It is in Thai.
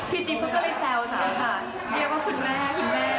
พี่จิ๊บเขาก็เลยแซวนะค่ะเดี๋ยวว่าคุณแม่คุณแม่